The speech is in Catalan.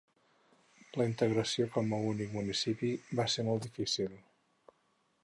La integració com a únic municipi va ser molt difícil.